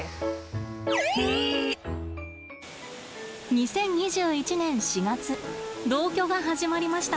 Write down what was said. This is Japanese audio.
２０２１年４月同居が始まりました。